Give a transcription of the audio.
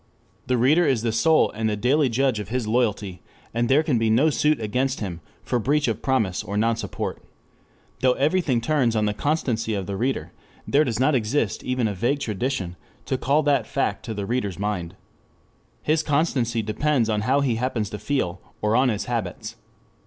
The reader is the sole and the daily judge of his loyalty, and there can be no suit against him for breach of promise or nonsupport. Though everything turns on the constancy of the reader, there does not exist even a vague tradition to call that fact to the reader's mind. His constancy depends on how he happens to feel, or on his habits.